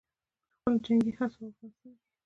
په خپلو جنګي هڅو او افغانستان کښې